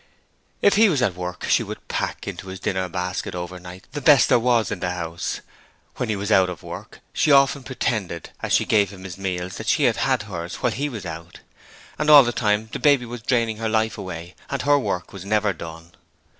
If he was at work she would pack into his dinner basket overnight the best there was in the house. When he was out of work she often pretended, as she gave him his meals, that she had had hers while he was out. And all the time the baby was draining her life away and her work was never done.